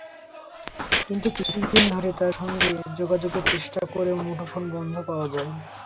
কিন্তু কিছুদিন ধরে তাঁর সঙ্গে যোগাযোগের চেষ্টা করেও মুঠোফোন বন্ধ পাওয়া যায়।